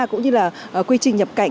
cũng như là quy trình nhập cảnh